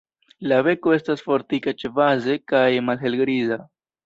La beko estas fortika ĉebaze kaj malhelgriza.